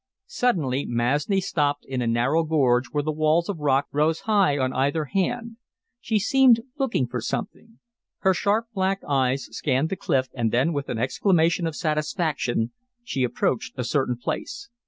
Suddenly Masni stopped in a narrow gorge where the walls of rock rose high on either hand. She seemed looking for something. Her sharp, black eyes scanned the cliff and then with an exclamation of satisfaction she approached a certain place.